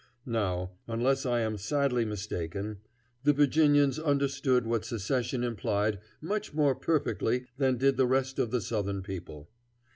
Now, unless I am sadly mistaken, the Virginians understood what secession implied much more perfectly than did the rest of the Southern people.